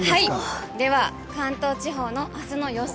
では、関東地方のあすの予想